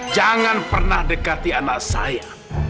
jangan pernah dekati anak saya